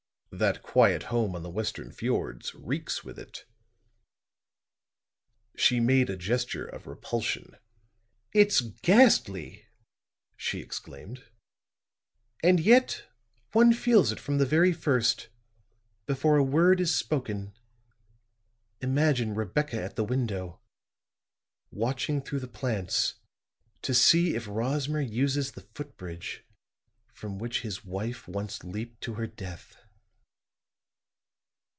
"That quiet home on the western fiords reeks with it." She made a gesture of repulsion. "It's ghastly!" she exclaimed. "And, somehow, one feels it from the very first before a word is spoken. Imagine Rebecca at the window, watching through the plants to see if Rosmer uses the footbridge from which his wife once leaped to her death."